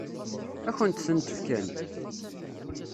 Ad kent-tent-fken?